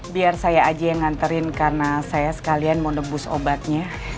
biar saya aja yang nganterin karena saya sekalian mau nebus obatnya